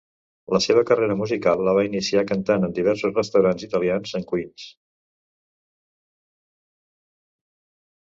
La seva carrera musical la va iniciar cantant en diversos restaurants italians en Queens.